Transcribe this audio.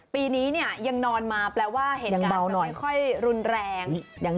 ปีนี้เนี่ยยังนอนมาแปลว่าเหตุการณ์มันไม่ค่อยรุนแรง